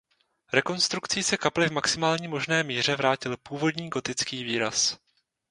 Rekonstrukcí se kapli v maximální možné míře vrátil původní gotický výraz.